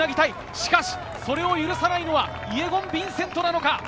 しかしそれを許さないのはイェゴン・ヴィンセントなのか？